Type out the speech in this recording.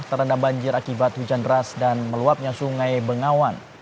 terendam banjir akibat hujan deras dan meluapnya sungai bengawan